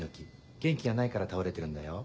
元気がないから倒れてるんだよ。